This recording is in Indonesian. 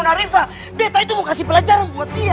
dita itu mau kasih pelajaran buat dia